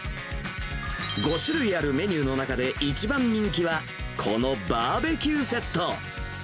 ５種類あるメニューの中で、一番人気はこのバーベキューセット。